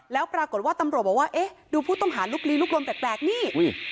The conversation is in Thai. แล้วปรากฏว่าตำรวจบอกว่าเอ๊ะดูผู้ต้องหาลุกลีลุกลนแปลกนี่